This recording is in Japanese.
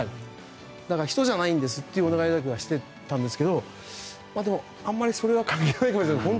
だから、人じゃないですっていうお願いだけはしていたんですがあまりそれは関係ないかもしれない。